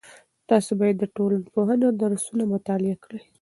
تاسې باید د ټولنپوهنې درسونه مطالعه کړئ.